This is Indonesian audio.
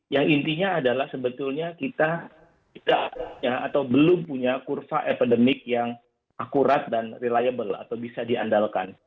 yang intinya adalah sebetulnya kita atau belum punya kurva epidemik yang akurat dan reliable atau bisa diandalkan